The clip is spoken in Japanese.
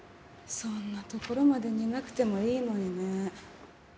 そんなところまで似なくてもいいのにね。